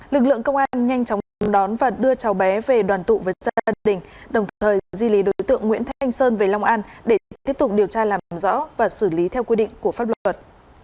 lực lượng công an nhanh chóng đón và đưa cháu bé về đoàn tụ với gia đình đồng thời di lý đối tượng nguyễn thanh sơn về long an để tiếp tục điều tra làm rõ và xử lý theo quy định của pháp luật